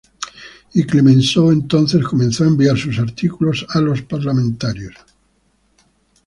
Y Clemenceau entonces comenzó a enviar sus artículos a los parlamentarios.